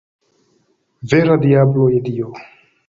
Vera diablo, je Dio!